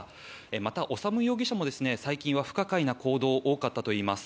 また、修容疑者も最近は不可解な行動が多かったということです。